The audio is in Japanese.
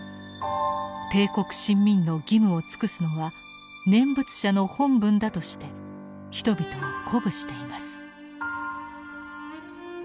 「帝国臣民の義務を尽くすのは念仏者の本分」だとして人々を鼓舞しています。